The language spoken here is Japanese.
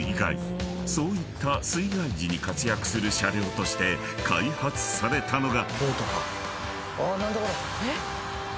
［そういった水害時に活躍する車両として開発されたのが］